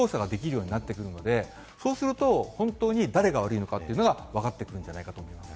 そこでいろんな捜査ができるようになってくるので、そうすると本当に誰が悪いのかわかってくるんじゃないかと思います。